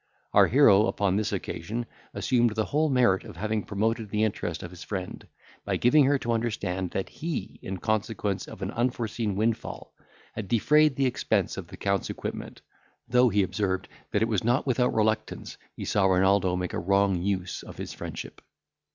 Our hero, upon this occasion, assumed the whole merit of having promoted the interest of his friend, by giving her to understand, that he, in consequence of an unforeseen windfall, had defrayed the expense of the Count's equipment; though he observed, that it was not without reluctance he saw Renaldo make a wrong use of his friendship.